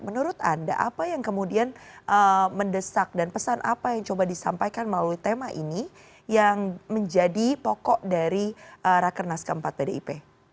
menurut anda apa yang kemudian mendesak dan pesan apa yang coba disampaikan melalui tema ini yang menjadi pokok dari rakernas keempat pdip